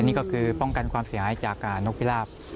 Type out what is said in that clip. นี่ก็คือป้องกันความเสียหายจากนกพิราบ